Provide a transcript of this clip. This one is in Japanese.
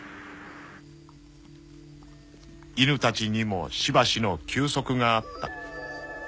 ［犬たちにもしばしの休息があった］